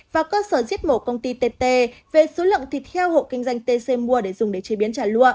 và cơ sở giết mổ công ty tt về số lượng thịt heo hộ kinh doanh tc mua để dùng để chế biến trả lúa